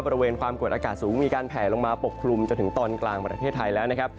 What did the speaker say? บริเวณความกดอากาศสูงมีการแผลลงมาปกคลุมจนถึงตอนกลางประเทศไทยแล้วนะครับ